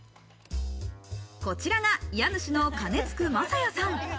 こちらが家主の鐘撞正也さん。